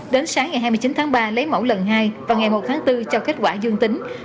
đến sáng ngày hai mươi chín tháng ba lấy mẫu lần hai và ngày một tháng bốn cho kết quả dương tính